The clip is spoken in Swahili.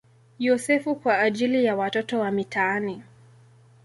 Yosefu" kwa ajili ya watoto wa mitaani.